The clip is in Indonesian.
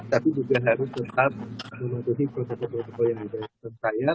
tapi juga harus tetap mematuhi protokol protokol yang sudah saya